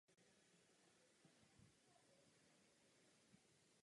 Začal pracovat jako inženýr.